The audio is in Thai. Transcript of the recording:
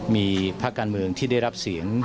มีภาคการเมืองที่ได้รับเสียง